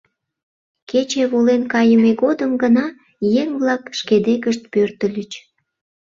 Кече волен кайыме годым гына еҥ-влак шке декышт пӧртыльыч.